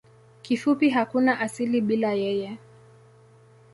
Kifupi hakuna asili bila yeye.